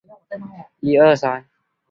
同时也有强大的精神防御力。